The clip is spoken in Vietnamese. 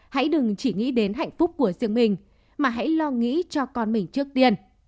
hãy đừng chỉ nghĩ đến hạnh phúc của riêng mình mà hãy lo nghĩ cho con mình trước tiên